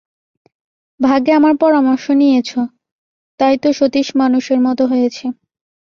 ভাগ্যে আমার পরামর্শ নিয়েছো, তাই তো সতীশ মানুষের মতো হয়েছে।